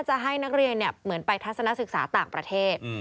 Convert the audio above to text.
จะให้นักเรียนเหมือนไปทัศนศึกษาต่างประเทศ